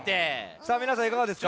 さあみなさんいかがですか？